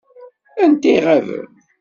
Anta i iɣaben?